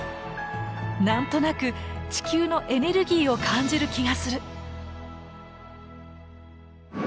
何となく地球のエネルギーを感じる気がする。